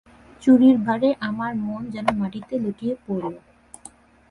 চুরির ভারে আমার মন যেন মাটিতে লুটিয়ে পড়ল!